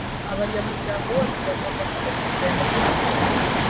Abanyamuryango bose bagomba gukurikiza aya mategeko.